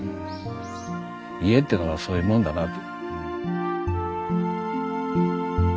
家っていうのはそういうもんだなあと。